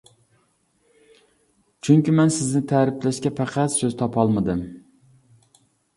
چۈنكى مەن سىزنى تەرىپلەشكە پەقەت سۆز تاپالمىدىم.